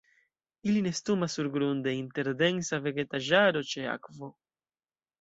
Ili nestumas surgrunde inter densa vegetaĵaro ĉe akvo.